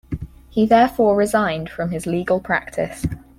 He therefore resigned from his legal practice.